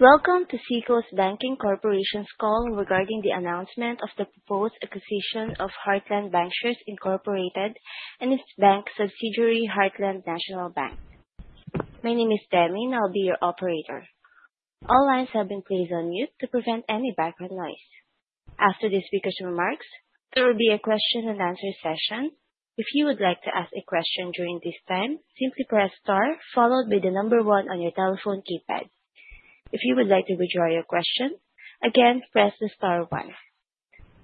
Welcome to Seacoast Banking Corporation's call regarding the announcement of the proposed acquisition of Heartland Bankshares Incorporated and its bank subsidiary, Heartland National Bank. My name is Demi, and I'll be your operator. All lines have been placed on mute to prevent any background noise. After this speaker's remarks, there will be a question-and-answer session. If you would like to ask a question during this time, simply press star followed by the number one on your telephone keypad. If you would like to withdraw your question, again, press the star one.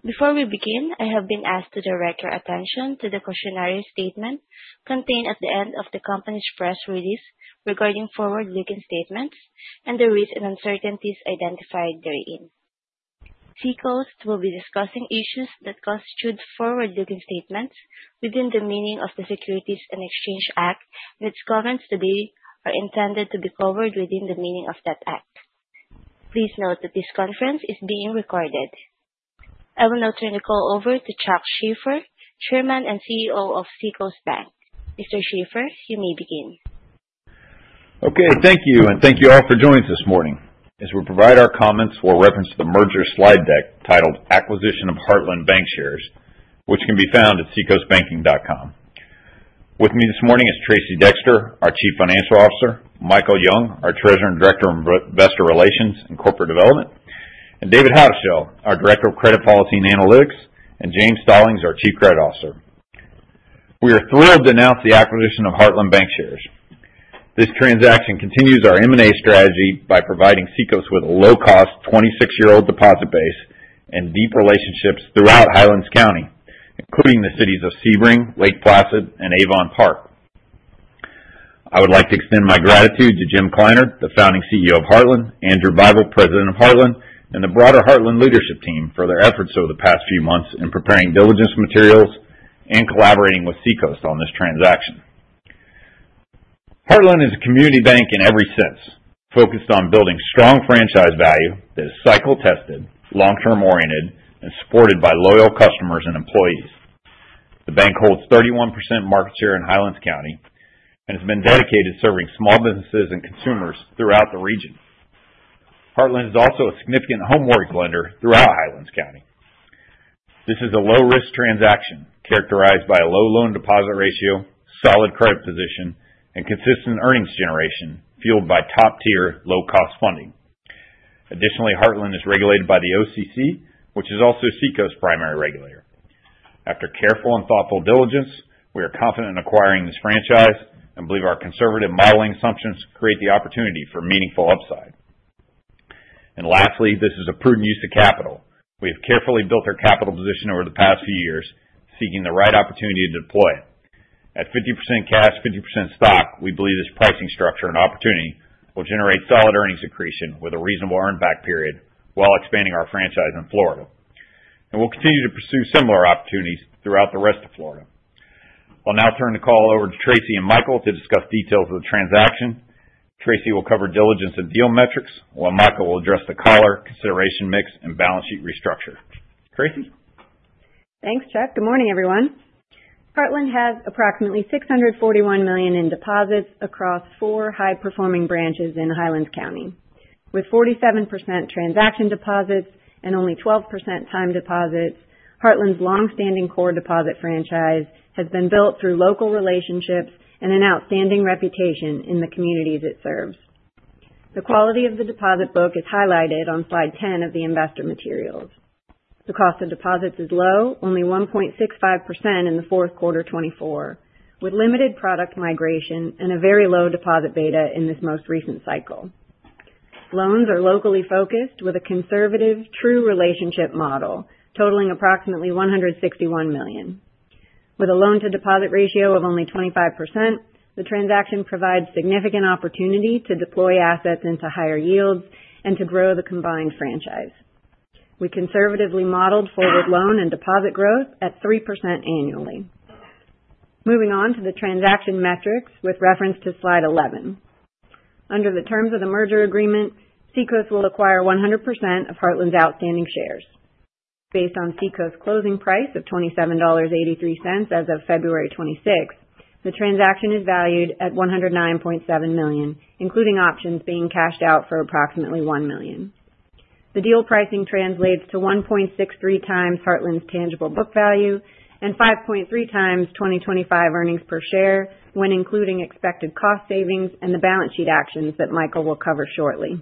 Before we begin, I have been asked to direct your attention to the cautionary statement contained at the end of the company's press release regarding forward-looking statements and the risks and uncertainties identified therein. Seacoast will be discussing issues that constitute forward-looking statements within the meaning of the Securities and Exchange Act, and its comments today are intended to be covered within the meaning of that act. Please note that this conference is being recorded. I will now turn the call over to Chuck Shaffer, Chairman and CEO of Seacoast Bank. Mr. Shaffer, you may begin. Okay. Thank you, and thank you all for joining us this morning. As we provide our comments, we'll reference the merger slide deck titled "Acquisition of Heartland Bankshares," which can be found at seacoastbanking.com. With me this morning is Tracey Dexter, our Chief Financial Officer, Michael Young, our Treasurer and Director of Investor Relations and Corporate Development, and David Hassel, our Director of Credit Policy and Analytics, and James Stallings, our Chief Credit Officer. We are thrilled to announce the acquisition of Heartland Bankshares. This transaction continues our M&A strategy by providing Seacoast with a low-cost, 26-year-old deposit base and deep relationships throughout Highlands County, including the cities of Sebring, Lake Placid, and Avon Park. I would like to extend my gratitude to Jim Kleiner, the founding CEO of Heartland, Andrew Bibel, President of Heartland, and the broader Heartland leadership team for their efforts over the past few months in preparing diligence materials and collaborating with Seacoast on this transaction. Heartland is a community bank in every sense, focused on building strong franchise value that is cycle-tested, long-term oriented, and supported by loyal customers and employees. The bank holds 31% market share in Highlands County and has been dedicated to serving small businesses and consumers throughout the region. Heartland is also a significant home mortgage lender throughout Highlands County. This is a low-risk transaction characterized by a low loan-to-deposit ratio, solid credit position, and consistent earnings generation fueled by top-tier, low-cost funding. Additionally, Heartland is regulated by the OCC, which is also Seacoast's primary regulator. After careful and thoughtful diligence, we are confident in acquiring this franchise and believe our conservative modeling assumptions create the opportunity for meaningful upside. And lastly, this is a prudent use of capital. We have carefully built our capital position over the past few years, seeking the right opportunity to deploy it. At 50% cash, 50% stock, we believe this pricing structure and opportunity will generate solid earnings accretion with a reasonable earn-back period while expanding our franchise in Florida. And we'll continue to pursue similar opportunities throughout the rest of Florida. I'll now turn the call over to Tracey and Michael to discuss details of the transaction. Tracey will cover diligence and deal metrics, while Michael will address the collar, consideration mix, and balance sheet restructure. Tracey? Thanks, Chuck. Good morning, everyone. Heartland has approximately $641 million in deposits across four high-performing branches in Highlands County. With 47% transaction deposits and only 12% time deposits, Heartland's long-standing core deposit franchise has been built through local relationships and an outstanding reputation in the communities it serves. The quality of the deposit book is highlighted on slide 10 of the investor materials. The cost of deposits is low, only 1.65% in the fourth quarter 2024, with limited product migration and a very low deposit beta in this most recent cycle. Loans are locally focused with a conservative, true relationship model, totaling approximately $161 million. With a loan-to-deposit ratio of only 25%, the transaction provides significant opportunity to deploy assets into higher yields and to grow the combined franchise. We conservatively modeled forward loan and deposit growth at 3% annually. Moving on to the transaction metrics with reference to slide 11. Under the terms of the merger agreement, Seacoast will acquire 100% of Heartland's outstanding shares. Based on Seacoast's closing price of $27.83 as of February 26, the transaction is valued at $109.7 million, including options being cashed out for approximately $1 million. The deal pricing translates to 1.63 times Heartland's tangible book value and 5.3 times 2025 earnings per share when including expected cost savings and the balance sheet actions that Michael will cover shortly.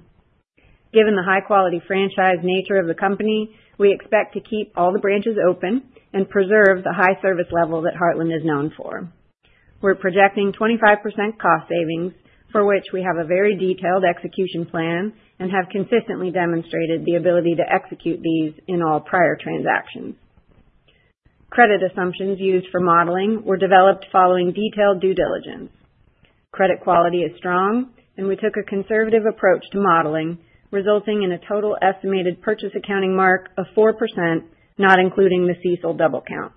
Given the high-quality franchise nature of the company, we expect to keep all the branches open and preserve the high service level that Heartland is known for. We're projecting 25% cost savings, for which we have a very detailed execution plan and have consistently demonstrated the ability to execute these in all prior transactions. Credit assumptions used for modeling were developed following detailed due diligence. Credit quality is strong, and we took a conservative approach to modeling, resulting in a total estimated purchase accounting mark of 4%, not including the CECL double count.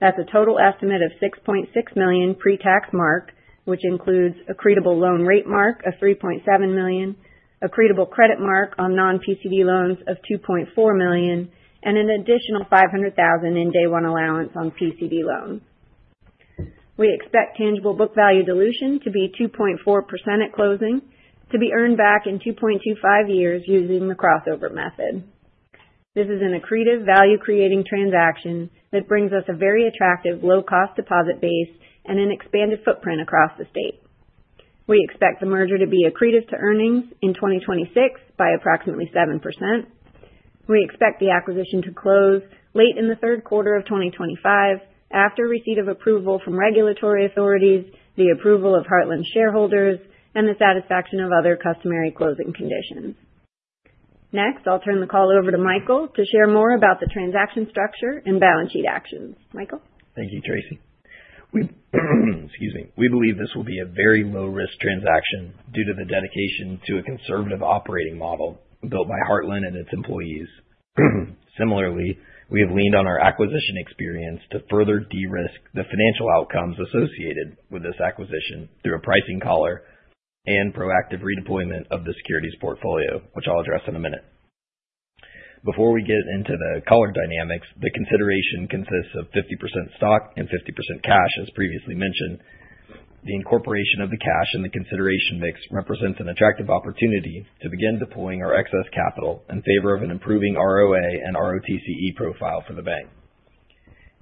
That's a total estimate of $6.6 million pre-tax mark, which includes accretable loan rate mark of $3.7 million, accretable credit mark on non-PCD loans of $2.4 million, and an additional $500,000 in day-one allowance on PCD loans. We expect tangible book value dilution to be 2.4% at closing, to be earned back in 2.25 years using the crossover method. This is an accretive, value-creating transaction that brings us a very attractive low-cost deposit base and an expanded footprint across the state. We expect the merger to be accretive to earnings in 2026 by approximately 7%. We expect the acquisition to close late in the third quarter of 2025 after receipt of approval from regulatory authorities, the approval of Heartland's shareholders, and the satisfaction of other customary closing conditions. Next, I'll turn the call over to Michael to share more about the transaction structure and balance sheet actions. Michael? Thank you, Tracey. Excuse me. We believe this will be a very low-risk transaction due to the dedication to a conservative operating model built by Heartland and its employees. Similarly, we have leaned on our acquisition experience to further de-risk the financial outcomes associated with this acquisition through a pricing collar and proactive redeployment of the securities portfolio, which I'll address in a minute. Before we get into the collar dynamics, the consideration consists of 50% stock and 50% cash, as previously mentioned. The incorporation of the cash in the consideration mix represents an attractive opportunity to begin deploying our excess capital in favor of an improving ROA and ROTCE profile for the bank.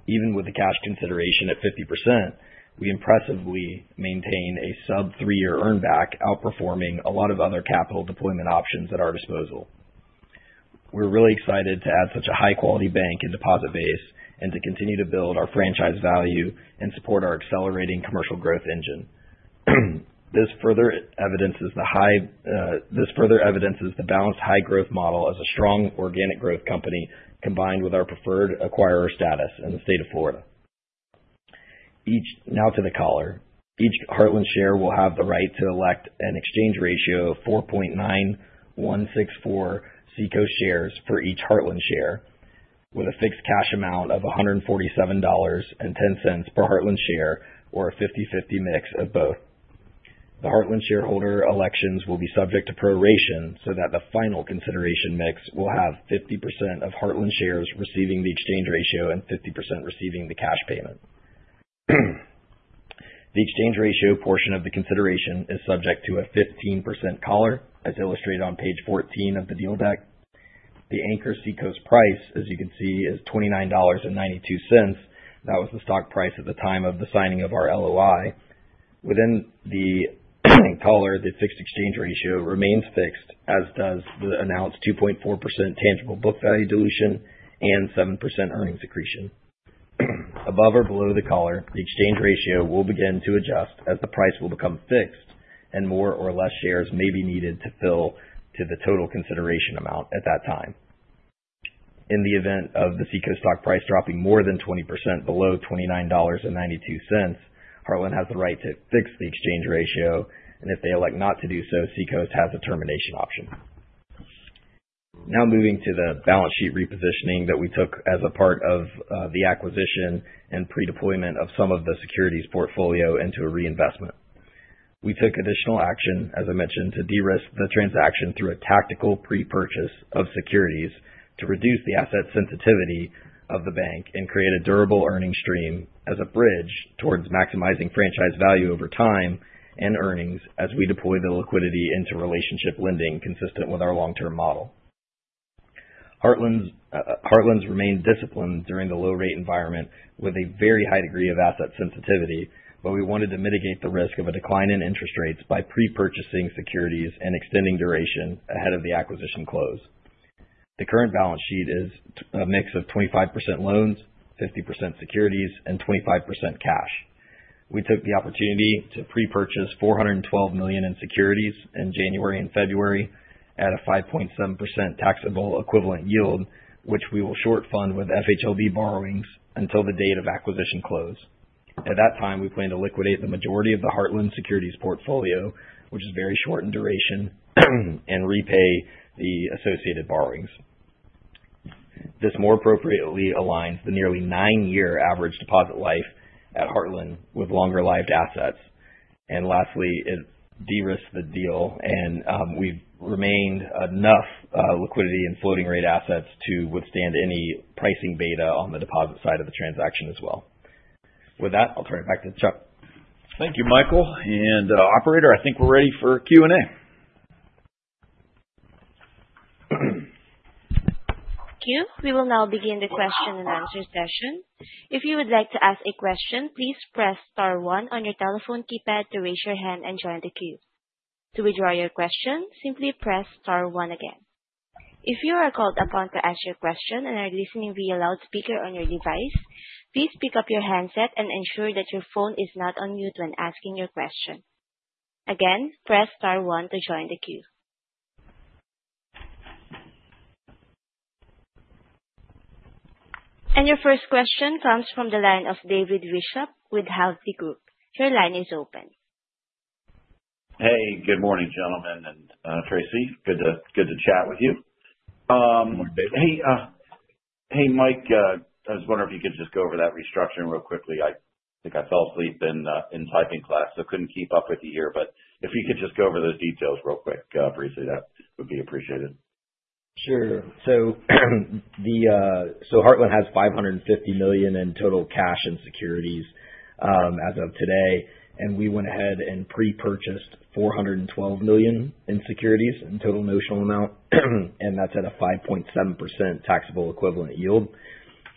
Even with the cash consideration at 50%, we impressively maintain a sub-three-year earn-back outperforming a lot of other capital deployment options at our disposal. We're really excited to add such a high-quality bank and deposit base and to continue to build our franchise value and support our accelerating commercial growth engine. This further evidences the balanced high-growth model as a strong organic growth company combined with our preferred acquirer status in the state of Florida. Now to the collar. Each Heartland share will have the right to elect an exchange ratio of 4.9164 Seacoast shares for each Heartland share, with a fixed cash amount of $147.10 per Heartland share or a 50/50 mix of both. The Heartland shareholder elections will be subject to proration so that the final consideration mix will have 50% of Heartland shares receiving the exchange ratio and 50% receiving the cash payment. The exchange ratio portion of the consideration is subject to a 15% collar, as illustrated on page 14 of the deal deck. The anchor Seacoast price, as you can see, is $29.92. That was the stock price at the time of the signing of our LOI. Within the collar, the fixed exchange ratio remains fixed, as does the announced 2.4% tangible book value dilution and 7% earnings accretion. Above or below the collar, the exchange ratio will begin to adjust as the price will become fixed, and more or less shares may be needed to fill to the total consideration amount at that time. In the event of the Seacoast stock price dropping more than 20% below $29.92, Heartland has the right to fix the exchange ratio, and if they elect not to do so, Seacoast has a termination option. Now moving to the balance sheet repositioning that we took as a part of the acquisition and pre-deployment of some of the securities portfolio into a reinvestment. We took additional action, as I mentioned, to de-risk the transaction through a tactical pre-purchase of securities to reduce the asset sensitivity of the bank and create a durable earnings stream as a bridge towards maximizing franchise value over time and earnings as we deploy the liquidity into relationship lending consistent with our long-term model. Heartland's remained disciplined during the low-rate environment with a very high degree of asset sensitivity, but we wanted to mitigate the risk of a decline in interest rates by pre-purchasing securities and extending duration ahead of the acquisition close. The current balance sheet is a mix of 25% loans, 50% securities, and 25% cash. We took the opportunity to pre-purchase $412 million in securities in January and February at a 5.7% taxable equivalent yield, which we will short fund with FHLB borrowings until the date of acquisition close. At that time, we plan to liquidate the majority of the Heartland securities portfolio, which is very short in duration, and repay the associated borrowings. This more appropriately aligns the nearly nine-year average deposit life at Heartland with longer-lived assets. And lastly, it de-risked the deal, and we've retained enough liquidity and floating rate assets to withstand any pricing beta on the deposit side of the transaction as well. With that, I'll turn it back to Chuck. Thank you, Michael. And, Operator, I think we're ready for Q&A. Thank you. We will now begin the question and answer session. If you would like to ask a question, please press star 1 on your telephone keypad to raise your hand and join the queue. To withdraw your question, simply press star 1 again. If you are called upon to ask your question and are listening via loudspeaker on your device, please pick up your handset and ensure that your phone is not on mute when asking your question. Again, press star 1 to join the queue. And your first question comes from the line of David Bishop with Hovde Group. Your line is open. Hey, good morning, gentlemen and Tracey. Good to chat with you. Hey, Mike, I was wondering if you could just go over that restructuring real quickly. I think I fell asleep in typing class, so I couldn't keep up with you here. But if you could just go over those details real quick, briefly, that would be appreciated. Sure. Heartland has $550 million in total cash and securities as of today, and we went ahead and pre-purchased $412 million in securities in total notional amount, and that's at a 5.7% taxable equivalent yield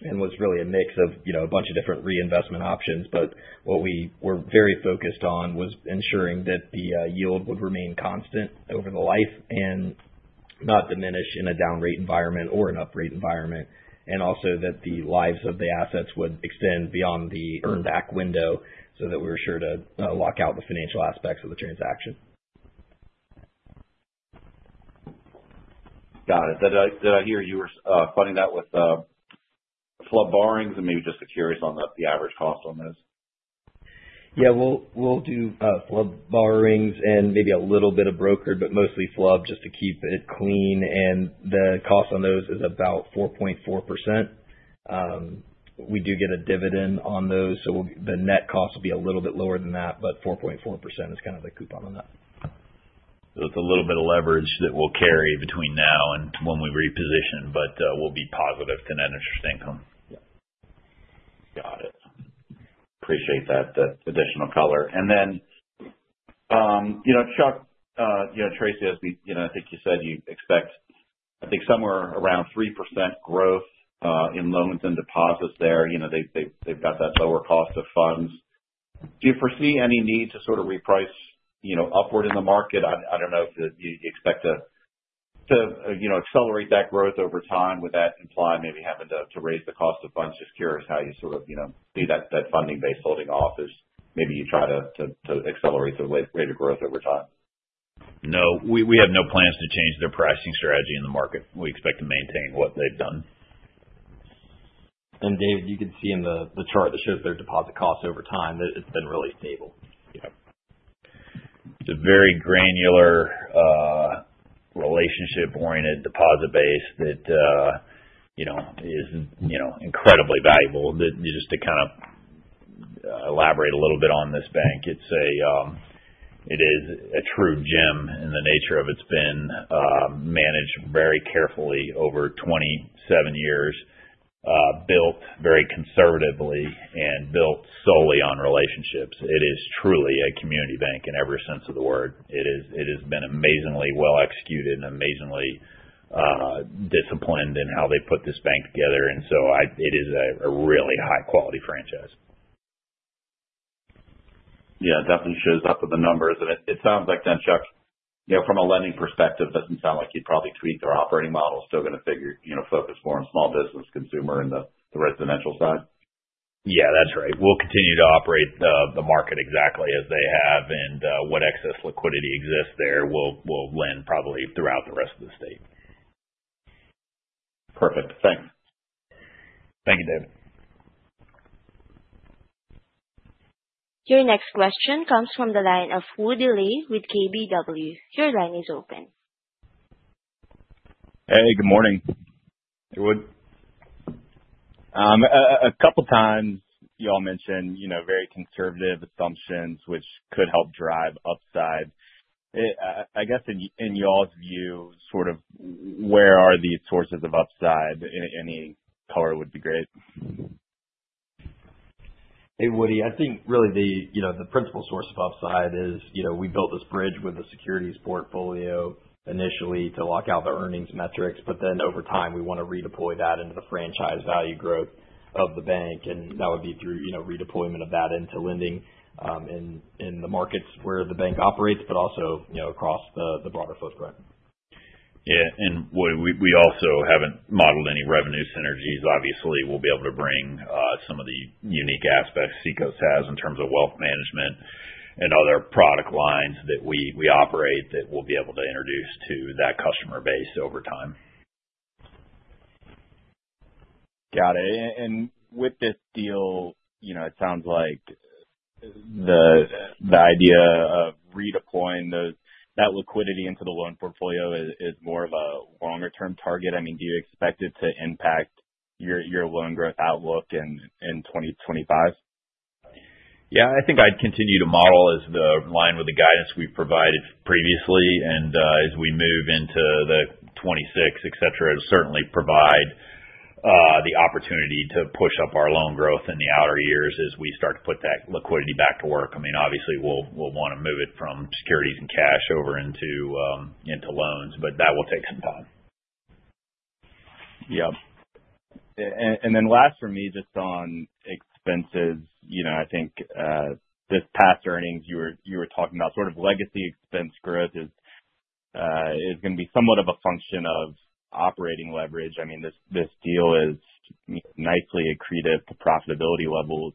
and was really a mix of a bunch of different reinvestment options. But what we were very focused on was ensuring that the yield would remain constant over the life and not diminish in a down-rate environment or an up-rate environment, and also that the lives of the assets would extend beyond the earn-back window so that we were sure to lock out the financial aspects of the transaction. Got it. Did I hear you were funding that with FHLB borrowings and maybe just curious on the average cost on those? Yeah, we'll do FHLB borrowings and maybe a little bit of brokered, but mostly FHLB just to keep it clean. And the cost on those is about 4.4%. We do get a dividend on those, so the net cost will be a little bit lower than that, but 4.4% is kind of the coupon on that. So it's a little bit of leverage that we'll carry between now and when we reposition, but we'll be positive to net interest income. Got it. Appreciate that additional collar. And then, Chuck, Tracey, as I think you said, you expect, I think, somewhere around 3% growth in loans and deposits there. They've got that lower cost of funds. Do you foresee any need to sort of reprice upward in the market? I don't know if you expect to accelerate that growth over time. Would that imply maybe having to raise the cost of funds? Just curious how you sort of see that funding base holding off as maybe you try to accelerate the rate of growth over time. No, we have no plans to change their pricing strategy in the market. We expect to maintain what they've done. David, you can see in the chart that shows their deposit cost over time that it's been really stable. Yeah. It's a very granular relationship-oriented deposit base that is incredibly valuable. Just to kind of elaborate a little bit on this bank, it is a true gem in the nature of it's been managed very carefully over 27 years, built very conservatively, and built solely on relationships. It is truly a community bank in every sense of the word. It has been amazingly well executed and amazingly disciplined in how they put this bank together. And so it is a really high-quality franchise. Yeah, definitely shows up in the numbers. And it sounds like then, Chuck, from a lending perspective, it doesn't sound like you'd probably tweak their operating model. Still going to focus more on small business consumer and the residential side. Yeah, that's right. We'll continue to operate the market exactly as they have, and what excess liquidity exists there will lend probably throughout the rest of the state. Perfect. Thanks. Thank you, David. Your next question comes from the line of Woody Lay with KBW. Your line is open. Hey, good morning. Hey, Wood. A couple of times y'all mentioned very conservative assumptions, which could help drive upside. I guess in y'all's view, sort of where are these sources of upside? Any color would be great. Hey, Wood, I think really the principal source of upside is we built this bridge with the securities portfolio initially to lock out the earnings metrics, but then over time we want to redeploy that into the franchise value growth of the bank, and that would be through redeployment of that into lending in the markets where the bank operates, but also across the broader footprint. Yeah, and Woody, we also haven't modeled any revenue synergies. Obviously, we'll be able to bring some of the unique aspects Seacoast has in terms of wealth management and other product lines that we operate that we'll be able to introduce to that customer base over time. Got it and with this deal, it sounds like the idea of redeploying that liquidity into the loan portfolio is more of a longer-term target. I mean, do you expect it to impact your loan growth outlook in 2025? Yeah, I think I'd continue to model as the line with the guidance we've provided previously, and as we move into the 2026, etc., it'll certainly provide the opportunity to push up our loan growth in the outer years as we start to put that liquidity back to work. I mean, obviously, we'll want to move it from securities and cash over into loans, but that will take some time. Yep. And then, last for me, just on expenses, I think this past earnings you were talking about, sort of legacy expense growth is going to be somewhat of a function of operating leverage. I mean, this deal is nicely accretive to profitability levels.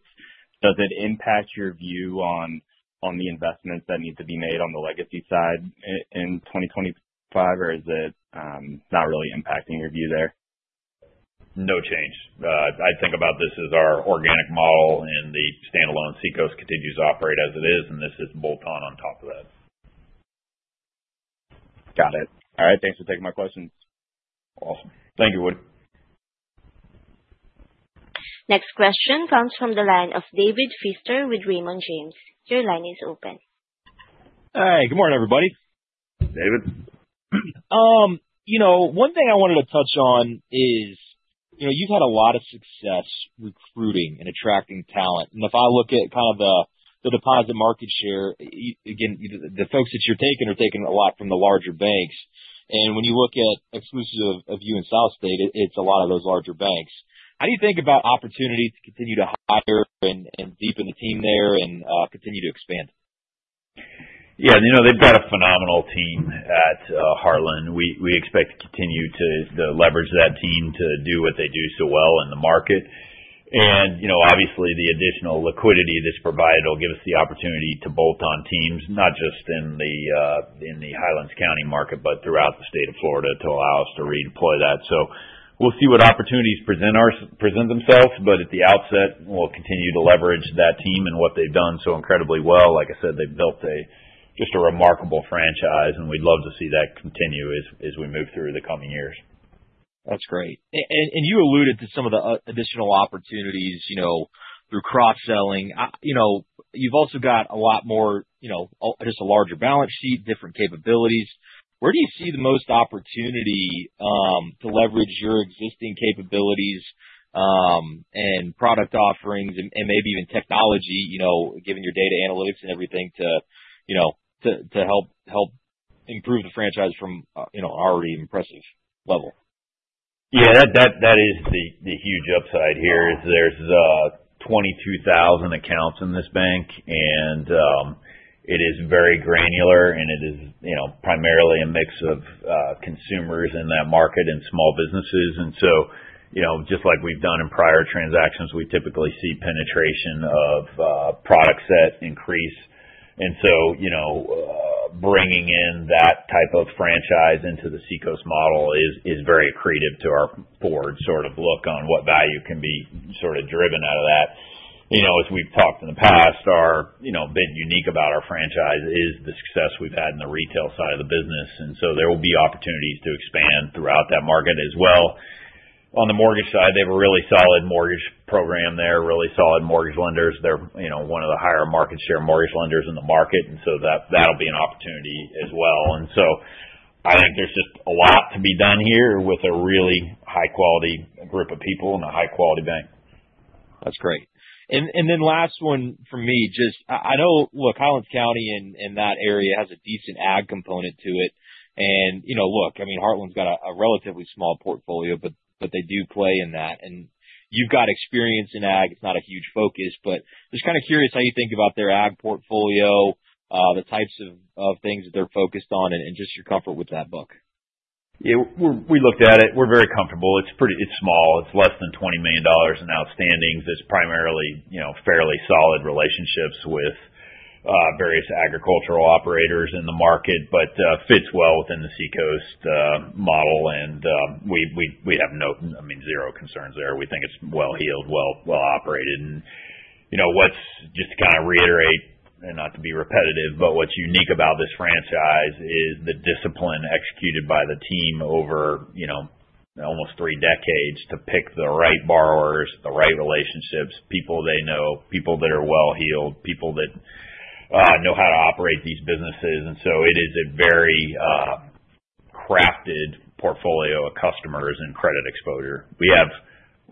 Does it impact your view on the investments that need to be made on the legacy side in 2025, or is it not really impacting your view there? No change. I think about this as our organic model, and the standalone Seacoast continues to operate as it is, and this is bolt-on on top of that. Got it. All right. Thanks for taking my questions. Awesome. Thank you, Wood. Next question comes from the line of David Feaster with Raymond James. Your line is open. Hey, good morning, everybody. David. One thing I wanted to touch on is you've had a lot of success recruiting and attracting talent. And if I look at kind of the deposit market share, again, the folks that you're taking are taking a lot from the larger banks. And when you look at exclusive of you and South State, it's a lot of those larger banks. How do you think about opportunity to continue to hire and deepen the team there and continue to expand? Yeah, they've got a phenomenal team at Heartland. We expect to continue to leverage that team to do what they do so well in the market. And obviously, the additional liquidity that's provided will give us the opportunity to bolt on teams, not just in the Highlands County market, but throughout the state of Florida to allow us to redeploy that. So we'll see what opportunities present themselves, but at the outset, we'll continue to leverage that team and what they've done so incredibly well. Like I said, they've built just a remarkable franchise, and we'd love to see that continue as we move through the coming years. That's great. And you alluded to some of the additional opportunities through cross-selling. You've also got a lot more, just a larger balance sheet, different capabilities. Where do you see the most opportunity to leverage your existing capabilities and product offerings and maybe even technology, given your data analytics and everything, to help improve the franchise from an already impressive level? Yeah, that is the huge upside here. There's 22,000 accounts in this bank, and it is very granular, and it is primarily a mix of consumers in that market and small businesses. And so just like we've done in prior transactions, we typically see penetration of products that increase. And so bringing in that type of franchise into the Seacoast model is very accretive to our board sort of look on what value can be sort of driven out of that. As we've talked in the past, our bit unique about our franchise is the success we've had in the retail side of the business. And so there will be opportunities to expand throughout that market as well. On the mortgage side, they have a really solid mortgage program there, really solid mortgage lenders. They're one of the higher market share mortgage lenders in the market, and so that'll be an opportunity as well. And so I think there's just a lot to be done here with a really high-quality group of people and a high-quality bank. That's great. And then last one for me, just I know, look, Highlands County in that area has a decent ag component to it. And look, I mean, Heartland's got a relatively small portfolio, but they do play in that. And you've got experience in ag. It's not a huge focus, but just kind of curious how you think about their ag portfolio, the types of things that they're focused on, and just your comfort with that book. Yeah, we looked at it. We're very comfortable. It's small. It's less than $20 million in outstandings. It's primarily fairly solid relationships with various agricultural operators in the market, but fits well within the Seacoast model. And we have no, I mean, zero concerns there. We think it's well-heeled, well-operated. And just to kind of reiterate, and not to be repetitive, but what's unique about this franchise is the discipline executed by the team over almost three decades to pick the right borrowers, the right relationships, people they know, people that are well-heeled, people that know how to operate these businesses. And so it is a very crafted portfolio of customers and credit exposure. We have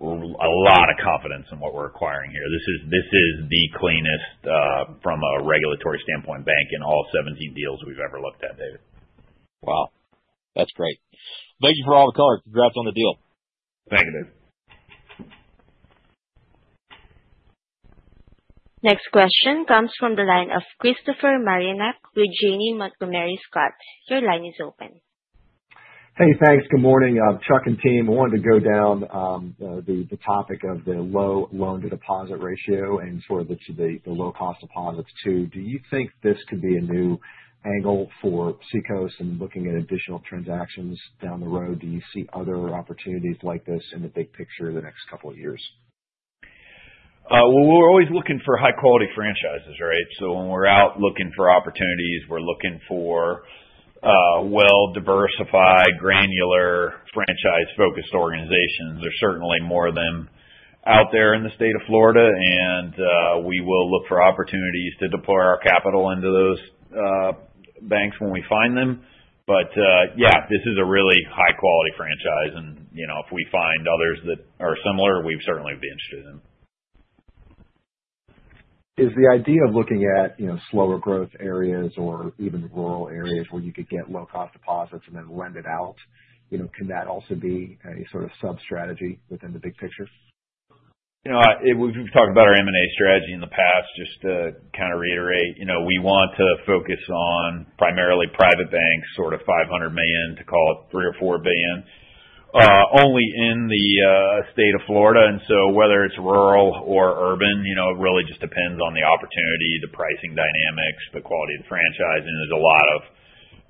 a lot of confidence in what we're acquiring here. This is the cleanest from a regulatory standpoint bank in all 17 deals we've ever looked at, David. Wow. That's great. Thank you for all the color. Congrats on the deal. Thank you, David. Next question comes from the line of Christopher Marinac with Janney Montgomery Scott. Your line is open. Hey, thanks. Good morning. Chuck and team, we wanted to go down the topic of the low loan-to-deposit ratio and sort of the low-cost deposits too. Do you think this could be a new angle for Seacoast in looking at additional transactions down the road? Do you see other opportunities like this in the big picture the next couple of years? We're always looking for high-quality franchises, right? When we're out looking for opportunities, we're looking for well-diversified, granular, franchise-focused organizations. There's certainly more of them out there in the state of Florida, and we will look for opportunities to deploy our capital into those banks when we find them. Yeah, this is a really high-quality franchise, and if we find others that are similar, we certainly would be interested in them. Is the idea of looking at slower growth areas or even rural areas where you could get low-cost deposits and then lend it out, can that also be a sort of sub-strategy within the big picture? We've talked about our M&A strategy in the past. Just to kind of reiterate, we want to focus on primarily private banks, sort of $500 million to call it $3 or $4 billion, only in the state of Florida, and so whether it's rural or urban, it really just depends on the opportunity, the pricing dynamics, the quality of the franchise, and there's a lot of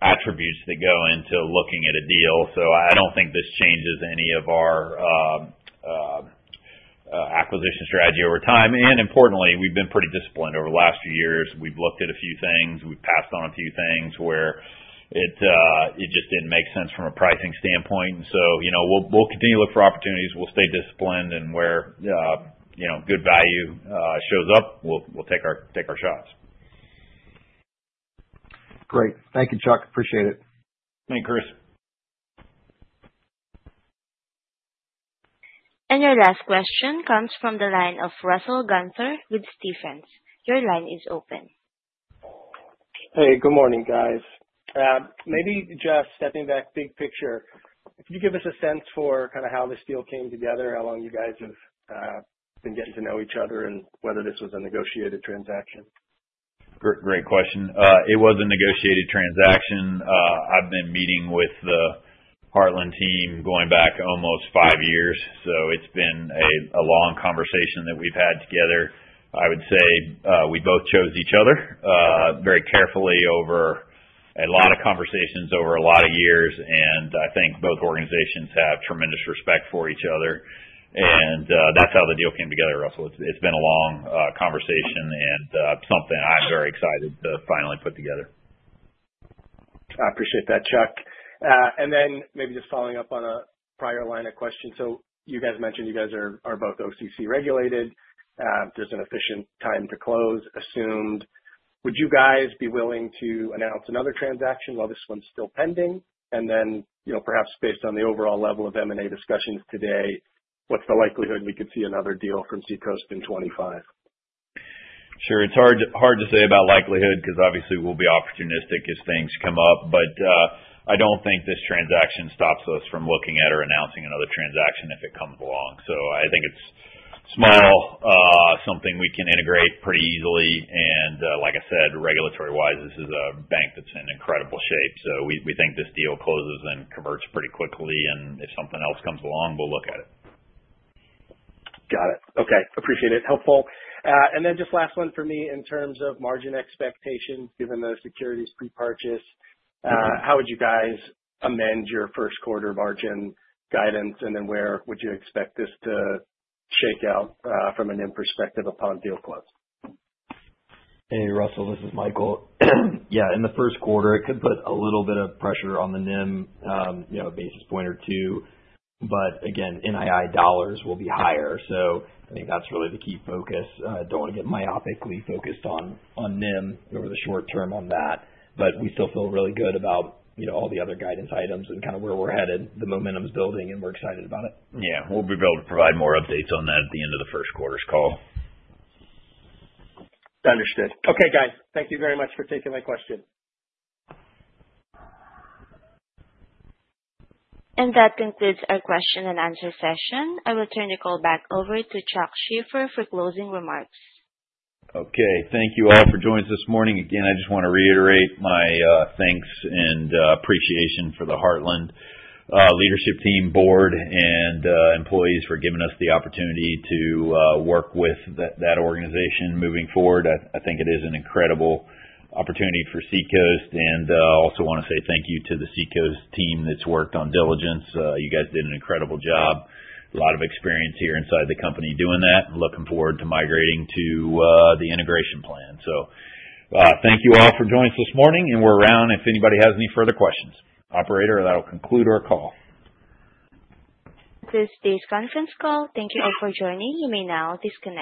attributes that go into looking at a deal, so I don't think this changes any of our acquisition strategy over time, and importantly, we've been pretty disciplined over the last few years. We've looked at a few things. We've passed on a few things where it just didn't make sense from a pricing standpoint, and so we'll continue to look for opportunities. We'll stay disciplined, and where good value shows up, we'll take our shots. Great. Thank you, Chuck. Appreciate it. Thank you, Chris. Our last question comes from the line of Russell Gunther with Stephens. Your line is open. Hey, good morning, guys. Maybe just stepping back, big picture, can you give us a sense for kind of how this deal came together, how long you guys have been getting to know each other, and whether this was a negotiated transaction? Great question. It was a negotiated transaction. I've been meeting with the Heartland team going back almost five years. So it's been a long conversation that we've had together. I would say we both chose each other very carefully over a lot of conversations over a lot of years, and I think both organizations have tremendous respect for each other, and that's how the deal came together, Russell. It's been a long conversation and something I'm very excited to finally put together. I appreciate that, Chuck. And then maybe just following up on a prior line of questions, so you guys mentioned you guys are both OCC regulated. Just an efficient time to close assumed. Would you guys be willing to announce another transaction while this one's still pending? And then perhaps based on the overall level of M&A discussions today, what's the likelihood we could see another deal from Seacoast in 2025? Sure. It's hard to say about likelihood because obviously we'll be opportunistic as things come up, but I don't think this transaction stops us from looking at or announcing another transaction if it comes along, so I think it's something we can integrate pretty easily, and like I said, regulatory-wise, this is a bank that's in incredible shape, so we think this deal closes and converts pretty quickly, and if something else comes along, we'll look at it. Got it. Okay. Appreciate it. Helpful. And then just last one for me in terms of margin expectations, given the securities pre-purchase. How would you guys amend your first quarter margin guidance, and then where would you expect this to shake out from a NIM perspective upon deal close? Hey, Russell, this is Michael. Yeah, in the first quarter, it could put a little bit of pressure on the NIM, a basis point or two, but again, NII dollars will be higher. So I think that's really the key focus. I don't want to get myopically focused on NIM over the short term on that, but we still feel really good about all the other guidance items and kind of where we're headed. The momentum's building, and we're excited about it. Yeah. We'll be able to provide more updates on that at the end of the first quarter's call. Understood. Okay, guys. Thank you very much for taking my question. That concludes our question and answer session. I will turn the call back over to Chuck Shaffer for closing remarks. Okay. Thank you all for joining us this morning. Again, I just want to reiterate my thanks and appreciation for the Heartland leadership team, board, and employees for giving us the opportunity to work with that organization moving forward. I think it is an incredible opportunity for Seacoast, and I also want to say thank you to the Seacoast team that's worked on diligence. You guys did an incredible job. A lot of experience here inside the company doing that. I'm looking forward to migrating to the integration plan. So thank you all for joining us this morning, and we're around if anybody has any further questions. Operator, that'll conclude our call. This is today's conference call. Thank you all for joining. You may now disconnect.